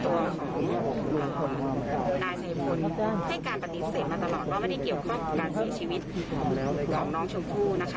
ตัวของนายชัยพลให้การปฏิเสธมาตลอดว่าไม่ได้เกี่ยวข้องกับการเสียชีวิตของน้องชมพู่นะคะ